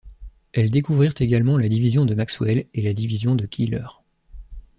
Elles découvrirent également la division de Maxwell et la division de Keeler.